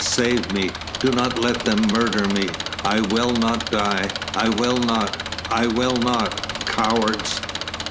Save me! Do not let them murder me! I will not die.... I will not! I will not!... Cowards!